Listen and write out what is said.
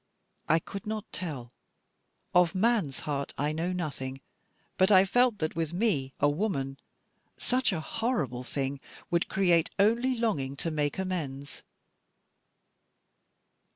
I could not tell. Of man's heart I know nothing; but I felt that with me, a woman, such a horrible thing would create only longing to make amends.